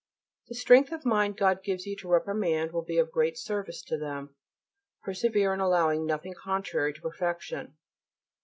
The strength of mind God gives you to reprimand will be of great service to them. Persevere in allowing nothing contrary to perfection.